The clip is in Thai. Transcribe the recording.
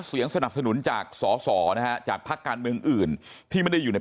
เสียงสนับสนุนจากสอสอนะฮะจากพักการเมืองอื่นที่ไม่ได้อยู่ใน